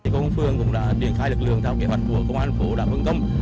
công phương cũng đã triển khai lực lượng theo kế hoạch của công an phố đà phương công